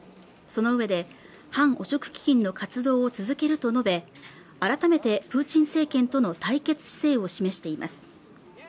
そのうえで反汚職基金の活動を続けると述べ改めてプーチン政権との対決姿勢を示しています